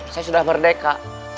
saya sudah merdeka